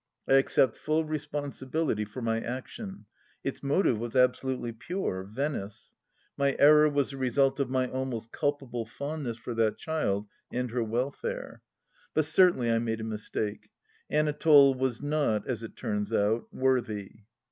I accept full responsibility for my action ; its motive was absolutely pure — Venice ! My error was the result of my almost culpable fondness for that child and her welfare. But certainly I made a mistake ; Anatole was not, as it turns out, worthy.